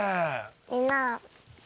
みんな。